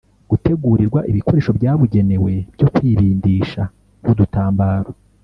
Gutegurirwa ibikoresho byabugenewe byo kwibindisha nk udutambaro